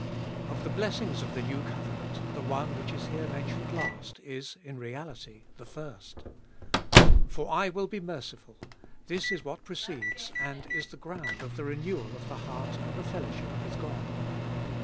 OF the blessings of the new covenant, the one which is here mentioned last is in reality the first. For I will be merciful — this is what precedes, and is the ground of the renewal of the heart and the fellowship with God.